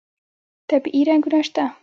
طبیعي رنګونه شته.